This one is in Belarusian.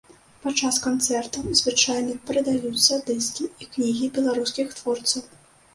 Падчас канцэртаў звычайна прадаюцца дыскі і кнігі беларускіх творцаў.